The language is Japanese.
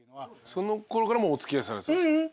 そのころからもうお付き合いされてたんですか？